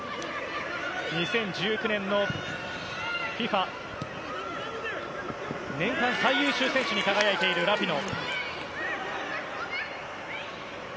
２０１９年のＦＩＦＡ年間最優秀選手に輝いているラピノ。